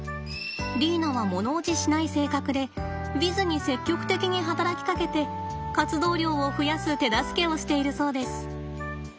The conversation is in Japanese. リーナは物おじしない性格でヴィズに積極的に働きかけて活動量を増やす手助けをしているそうです。